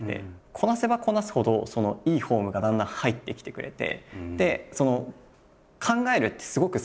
こなせばこなすほどいいフォームがだんだん入ってきてくれて。